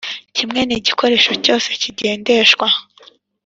kimwe n'igikoresho cyose kigendeshwa